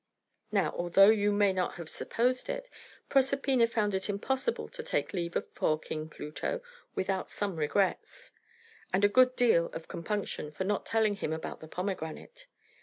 Now, although you may not have supposed it, Proserpina found it impossible to take leave of poor King Pluto without some regrets, and a good deal of compunction for not telling him about the pomegranate.